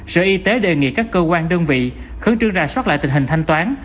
sở y tế đề nghị các cơ quan đơn vị khấn trương ra soát lại tình hình thanh toán